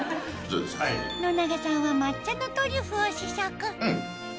野永さんは抹茶のトリュフを試食うん。